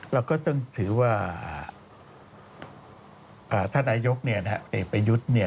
เราก็ต้องถือว่าท่านนายกเนี่ยเนี่ยเนี่ยเนี่ย